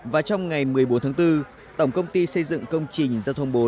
và trong ngày một mươi bốn tháng bốn tổng công ty xây dựng công trình giao thông bốn